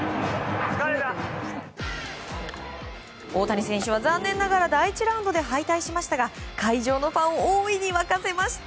大谷選手は残念ながら第１ラウンドで敗退しましたが会場のファンを大いに沸かせました。